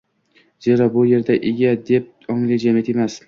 Zero, bu yerda «ega» deb ongli jamiyat emas